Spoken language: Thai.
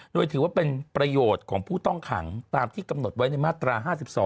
โดยถือว่าเป็นประโยชน์ของผู้ต้องขังตามที่กำหนดไว้ในมาตรา๕๒